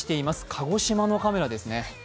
鹿児島のカメラです。